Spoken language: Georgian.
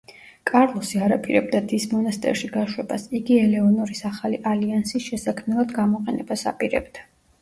კარლოსი არ აპირებდა დის მონასტერში გაშვებას, იგი ელეონორის ახალი ალიანსის შესაქმნელად გამოყენებას აპირებდა.